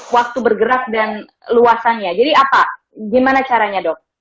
waktu bergerak dan luasannya jadi apa gimana caranya dok